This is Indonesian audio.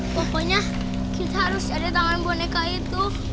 pokoknya kita harus ada tangan boneka itu